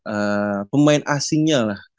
eee pemain asingnya lah